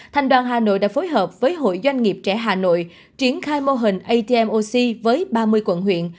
thành đoàn hà nội đã phối hợp với hội doanh nghiệp trẻ hà nội triển khai mô hình atmoc với ba mươi quận huyện